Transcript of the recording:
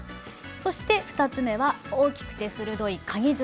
そして２つ目は大きくてするどい「かぎ爪」。